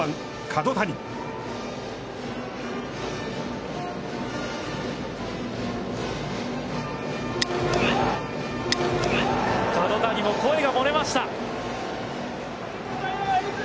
角谷も声が漏れました。